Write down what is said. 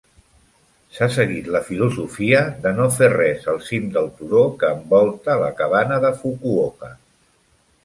S'ha seguit la filosofia de no fer res al cim del turó que envolta la cabana de Fukuoka.